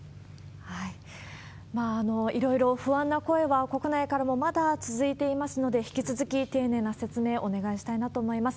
いろいろ不安な声は国内からもまだ続いていますので、引き続き丁寧な説明、お願いしたいなと思います。